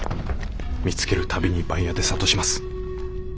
見つけるたびに番屋で諭します。